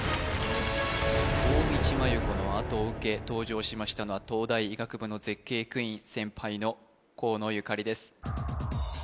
大道麻優子のあとを受け登場しましたのは東大医学部の絶景クイーン先輩の河野ゆかりです